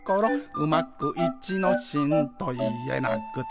「うまく『いちのしん』といえなくて」